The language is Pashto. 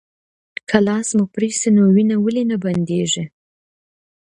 که لاس مو پرې شي نو وینه ولې بندیږي